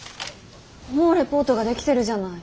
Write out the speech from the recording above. もうレポートができてるじゃない。